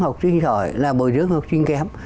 học sinh giỏi là bồi dưỡng học sinh kém